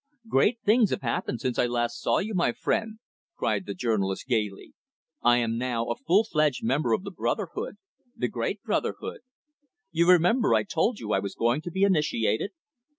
"Great things have happened since I last saw you, my friend," cried the journalist gaily. "I am now a full fledged member of the brotherhood, the great brotherhood. You remember I told you I was going to be initiated?"